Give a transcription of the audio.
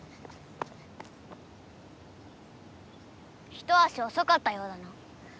一足おそかったようだな。